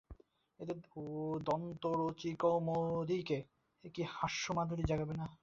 এঁদের দন্তরুচিকৌমুদীতে কি হাস্যমাধুরী জাগবে না।